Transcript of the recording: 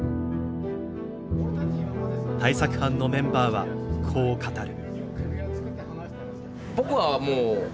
対策班のメンバーはこう語る。